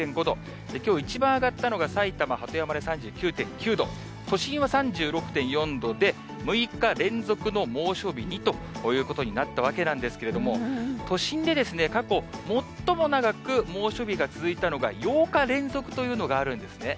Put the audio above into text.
きょう一番上がったのが埼玉・鳩山で３９．９度、都心は３６．４度で、６日連続の猛暑日にということになったわけなんですけれども、都心で過去最も長く猛暑日が続いたのが、８日連続というのがあるんですね。